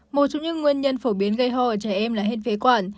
một trong những nguyên nhân phổ biến gây hò ở trẻ em là hên phế quản